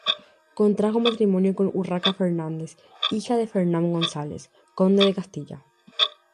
Contrajo matrimonio con Urraca Fernández, hija de Fernán González, conde de Castilla.